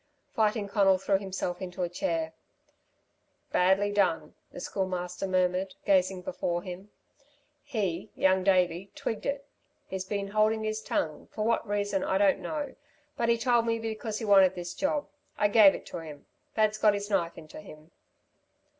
Fighting Conal threw himself into a chair. "Badly done," the Schoolmaster murmured, gazing before him. "He, Young Davey, twigged it. He's been holding his tongue for what reason I don't know but he told me because he wanted this job. I gave it to him. Thad's got his knife into him."